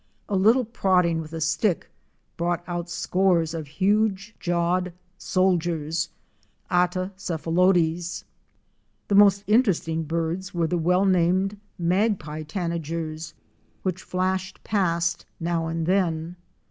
A little prodding with a stick brought out scores of huge jawed soldiers (Atta cephalotes). The most interesting birds were the well named Magpie STEAMER AND LAUNCH TO HOORIE CREEK. 139 Tanagers which flashed past now and then.